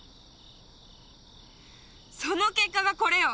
その結果がこれよ。